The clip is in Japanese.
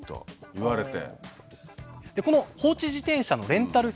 言われて。